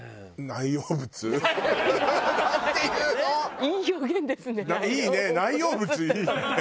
「内容物」いいね。